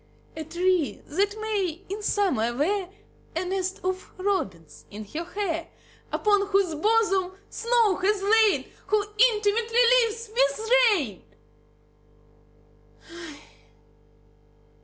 A tree that may in summer wear A nest of robins in her hair; Upon whose bosom snow has lain; Who intimately lives with rain.